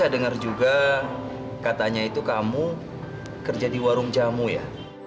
saya dengar juga katanya itu kamu kerja di warung jamu ya